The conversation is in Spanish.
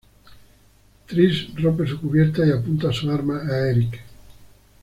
Tris rompe su cubierta y apunta su arma a Eric.